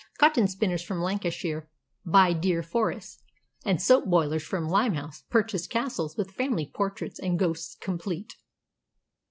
Cotton spinners from Lancashire buy deer forests, and soap boilers from Limehouse purchase castles with family portraits and ghosts complete."